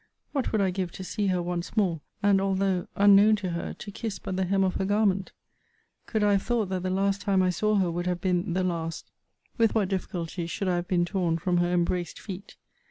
What would I give to see her once more, and, although unknown to her, to kiss but the hem of her garment! Could I have thought that the last time I saw her would have been the last, with what difficulty should I have been torn from her embraced feet!